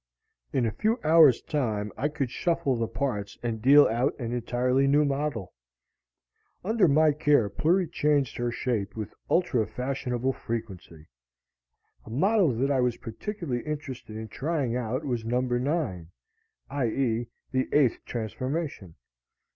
In a few hours' time I could shuffle the parts and deal out an entirely new model. Under my care Plury changed her shape with ultrafashionable frequency. A model that I was particularly interested in trying out was number nine (i. e., the eighth transformation).